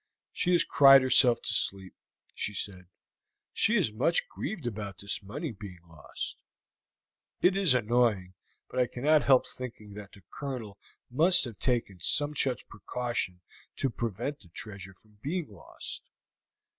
"She has cried herself to sleep," she said. "She is much grieved about this money being lost." "It is annoying; still I cannot help thinking that the Colonel must have taken some such precaution to prevent the treasure from being lost."